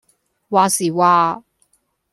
話時話